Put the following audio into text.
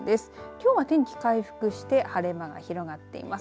きょうは天気回復して晴れ間が広がっています。